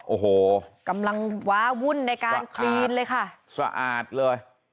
โอ้โหกำลังว้าวุ่นในการคลีนเลยค่ะสะอาดเลย